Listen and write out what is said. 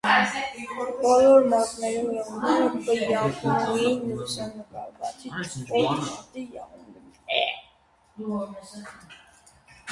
Բոլոր մատներուն եղունգները կը յայտնուին լուսնակով, բացի ճկոյտ մատի եղունգէն։